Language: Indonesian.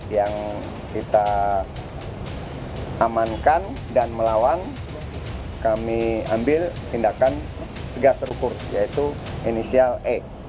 yang kita amankan dan melawan kami ambil tindakan tegas terukur yaitu inisial e